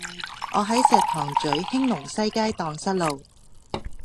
我喺石塘咀興隆西街盪失路